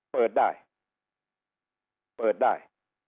เปิดได้